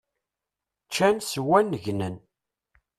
Ččan swan gnen!